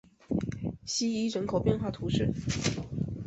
希伊人口变化图示